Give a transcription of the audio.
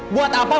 buat apa ini